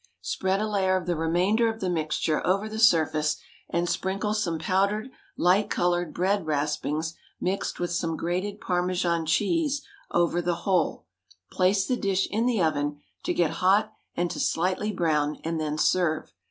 Spread a layer of the remainder of the mixture over the surface, and sprinkle some powdered light coloured bread raspings mixed with some grated Parmesan cheese over the whole; place the dish in the oven to get hot and to slightly brown, and then serve.